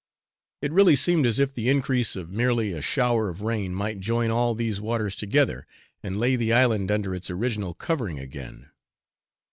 It really seemed as if the increase of merely a shower of rain might join all these waters together, and lay the island under its original covering again.